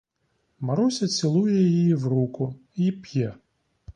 Маруся цілує її в руку й п'є.